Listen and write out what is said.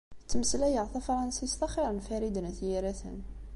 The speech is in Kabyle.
Ttmeslayeɣ tafṛansist axiṛ n Farid n At Yiraten.